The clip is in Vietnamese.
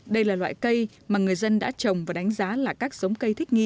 đây là loại cây mà người dân đã trồng và đánh giá là các sống cây thích nghi